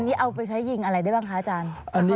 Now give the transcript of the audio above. อันนี้เอาไปใช้ยิงอะไรได้บ้างคะอาจารย์